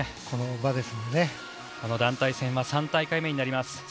この団体戦は３大会目になります。